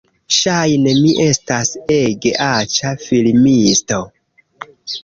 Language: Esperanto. Ŝajne mi estas ege aĉa filmisto